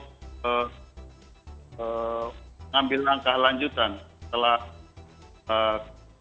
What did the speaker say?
mengambil langkah lanjutan setelah